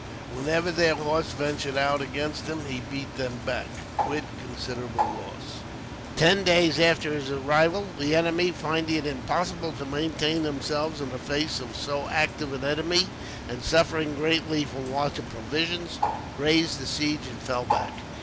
Whenever their horse ventured out against him, he beat them back, with considerable loss. Ten days after his arrival, the enemy, finding it impossible to maintain themselves in the face of so active an enemy, and suffering greatly from want of provisions, raised the siege and fell back.